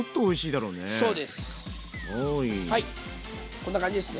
こんな感じですね